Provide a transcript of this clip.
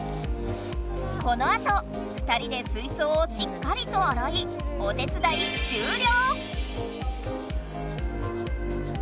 このあと２人で水槽をしっかりとあらいおよいでる